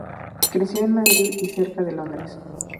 Creció en Madrid y cerca de Londres.